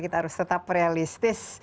dan jauh lebih'llah gitu